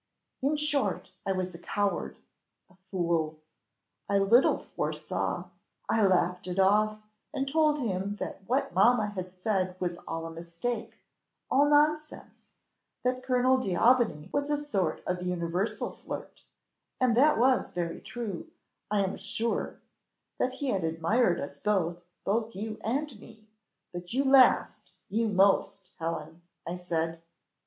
In short, I was a coward a fool; I little foresaw I laughed it off, and told him that what mamma had said was all a mistake, all nonsense; that Colonel D'Aubigny was a sort of universal flirt and that was very true, I am sure: that he had admired us both, both you and me, but you last, you most, Helen, I said."